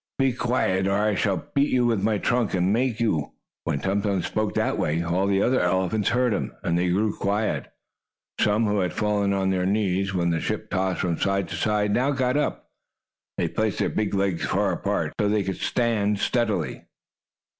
"Be quiet or I shall beat you with my trunk, and make you." When Tum Tum spoke that way, all the other elephants heard him, and they grew quiet. Some, who had fallen on their knees, when the ship tossed from side to side, now got up. They placed their big legs far apart, so they could stand steadily.